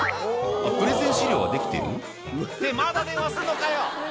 「プレゼン資料はできてる？」ってまだ電話すんのかよ